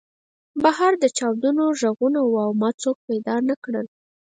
بهر د چاودنو غږونه وو او ما څوک پیدا نه کړل